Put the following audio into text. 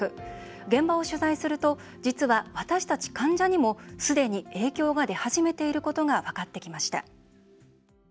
現場を取材すると実は、私たち患者にもすでに影響が出始めていることが分かってきました。